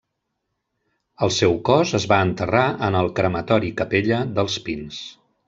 El seu cos es va enterrar en el Crematori Capella dels Pins.